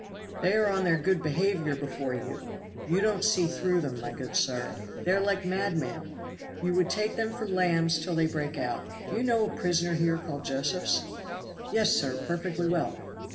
"They are on their good behavior before you. You don't see through them, my good sir. They are like madmen you would take them for lambs till they break out. Do you know a prisoner here called Josephs?" "Yes, sir, perfectly well."